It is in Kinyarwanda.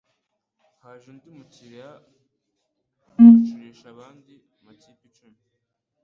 Haje undi mukiriya acurisha andi mapiki icumi,